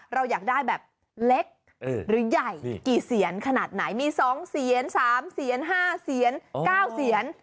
เราอยากได้แบบเล็กหรือใหญ่กี่เสียนขนาดไหนมี๒เสียน๓เสียน๕เสียน๙เสียน